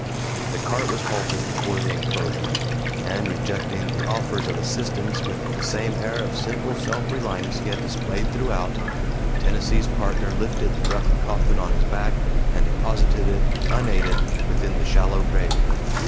The cart was halted before the enclosure; and rejecting the offers of assistance with the same air of simple self reliance he had displayed throughout, Tennessee's Partner lifted the rough coffin on his back and deposited it, unaided, within the shallow grave.